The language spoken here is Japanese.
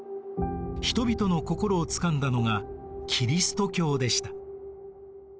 人々の心をつかんだのがキリスト教でした。